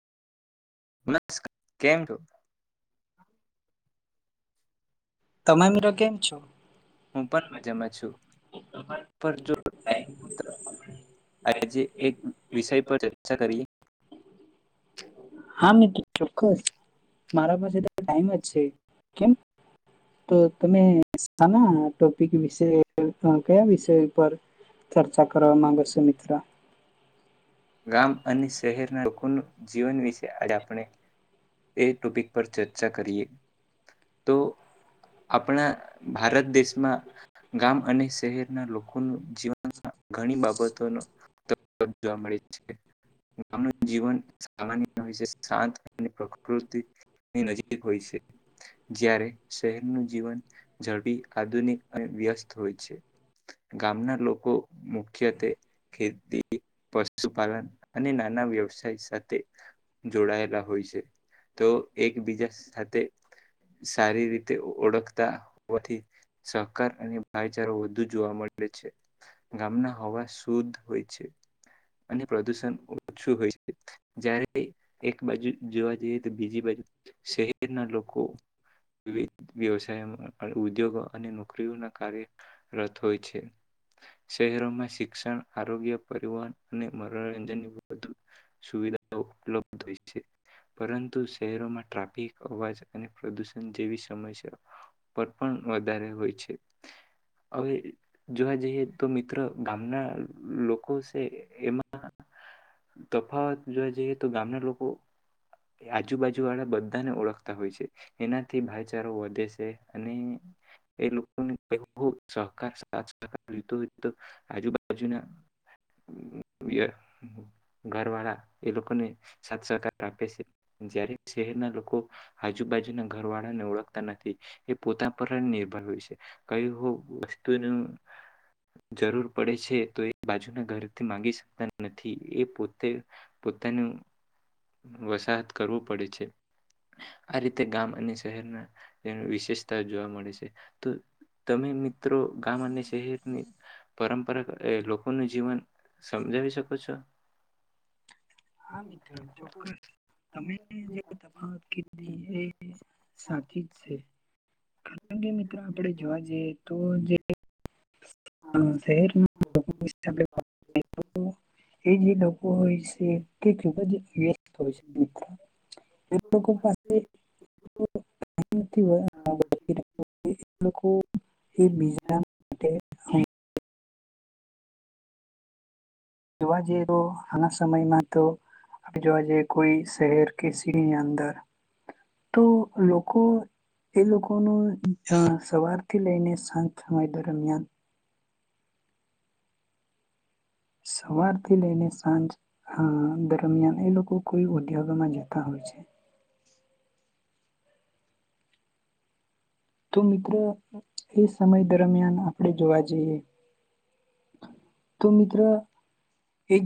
કેમ છો? તમે મરો કેમ છો? હું પણ મજામાં પણ જો છું. આજે એક વિષય પર ચર્ચા કરીએ. હા મિત્ર ચોક્કસ, મારા પાસે તો ટાઈમ જ છે કેમ? તો તમે સેના ટોપિક વિશે કયા વિષય ઉપર, ચર્ચા કરવા માંગો છો મિત્રો? ગામ અને શહેરના લોકોનો જીવન વિશે આડે આપણે એ ટોપિક પર ચર્ચા કરીએ, તો આપણા ભારત દેશમાં ગામ અને શહેરના લોકો લોકો નું જીવનમાં ઘણી બાબતો ન જોવા મળે. છે. ગામનું જીવન સામાન્ય હોય છે શાંત અને પ્રકૃતિ ની નજીક હોય છે. જ્યારે શહેરનું જીવન ઝડપી આધુનિક અને વ્યસ્ત હોય છે. ગામના લોકો મુખ્યત્વે ખેતી પસ પશુપાલન અને નાના વ્યવસાય સાથે જોડાયેલા હોય છે તો એકબીજા સાથે સારી રીતે ઓળખતા હોવાથી સહકાર અને ભાઈચારો વધુ જોવા મળે છે. ગામના હવા શુદ્ધ હોય છે. અને પ્રદુષણ ઓછું હોય છે. જ્યારે એક બાજુ જોવા જઈએ તો બીજી બાજુ શહેરના લોકો વિ વ્યવસાયમાં અને ઉદ્યોગો અને નોકરીઓના કાર્ય રત હોય છે. શહેરોમાં શિક્ષણ, આરોગ્ય, પરિવહન અને મનોરંજનની વધુ સુવિધાઓ ઉપલબ્ધ હોય છે પરંતુ શહેરોમાં ટ્રાફિક અવાજ અને પ્રદુષણ જેવી સમસ્યા પર પણ વધારે હોય છે. હવે જોવા જઈએ તો મિત્રો ગામના લોકો તે એમાં તો તફાવત જોવા જઈએ તો ગામના લોકો આજુબાજુ વાળા બધાને ઓળખતા હોય છે. એનાથી ભાઈચારો વધે છે અને એ લોકોનેતો ખૂબ સહકાર આજ [unintelligible] જોઈતો હોય તો આજુબાજુના ઘરવાળા એ લોકોને સાથ સહકાર આપે છે. જ્યારે શહેરના લોકો આજુબાજુના ઘર વાળાને ઓળખતા નથી એ પોતા પર જ નિર્ભર હોય છે કઈ વસ્તુ નું જરૂર પડે છે તો એ બાજુ બાજુના ઘરથી માગી સ પણ નથી એ પોતે પોતાનું વસાહત કરવો પડે છે. આ રીતે ગામ અને શહેરના તેની વિશેષતા જોવા મળે છે તો તમે એમ ત્રો ગામ અને શહેરની પરંપરાગત એ લોકોનું જીવન સમજાવી શકો છો? હા હમ મિત્ર હમ ચોક્કસ તમે જે તફાવત કીધી એ સાચી જ છે. કારણ કે મિત્રો આપડે તો જોવા જે જઈએ તો જે શહેરના લોકો [unintelligible] એ જે બ હોય છે. ખુબ જ વ્યસ્ત હોય છે એ લોકો પાસે [unintelligible] હમ જોવા જઈએ તો ઘણા સમયમાં તો આપણે જોવા જઈએ કોઈ શહેર કે સિટીની અંદર તો લોકો એ લોકોનું સવારથી લઈને સાંજ સમય દરમિયાન સવારથી લઈને સાંજ દરમિયાન એ લોકો કોઈ ઉદ્યોગમાં જતા હોય છે. તો મિત્ર એ સમય દરમિયાન આપડે જોવા જઈએ તો મિત્ર એક